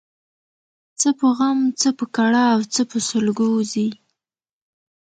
څه په غم ، څه په کړاو څه په سلګو ځي